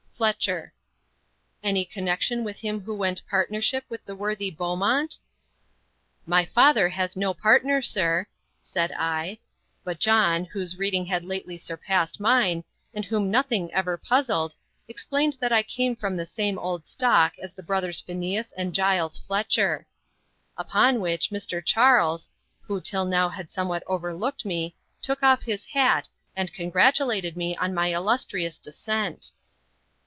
"Fletcher." "Any connection with him who went partnership with the worthy Beaumont?" "My father has no partner, sir," said I. But John, whose reading had lately surpassed mine, and whom nothing ever puzzled, explained that I came from the same old stock as the brothers Phineas and Giles Fletcher. Upon which Mr. Charles, who till now had somewhat overlooked me, took off his hat, and congratulated me on my illustrious descent.